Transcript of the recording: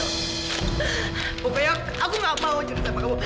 pokoknya aku gak mau jadi sama kamu